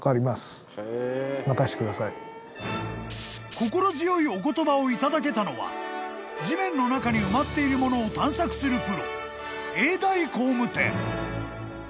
［心強いお言葉を頂けたのは地面の中に埋まっているものを探索するプロ］